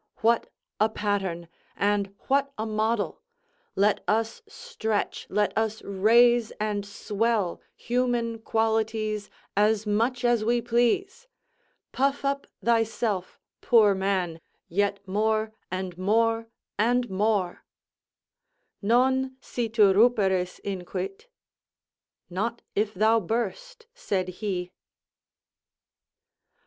What a pattern, and what a model! let us stretch, let us raise and swell human qualities as much as we please; puff up thyself, poor man, yet more and more, and more: Non, si tu ruperis, inquit. "Not if thou burst," said he.